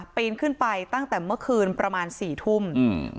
ปีนขึ้นไปตั้งแต่เมื่อคืนประมาณสี่ทุ่มอืม